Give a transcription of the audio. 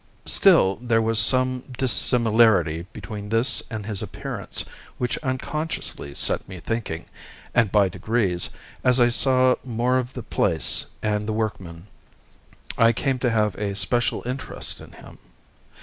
Still, there was some dissimilarity between this and his appearance which unconsciously set me thinking, and by degrees, as I saw more of the place and the workmen, I came to have a special interest in him.